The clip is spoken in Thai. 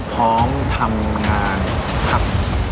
พร้อมทำงานครับ